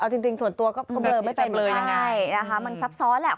เอาจริงส่วนตัวก็เบลอไม่ได้มันซับซ้อนแหละ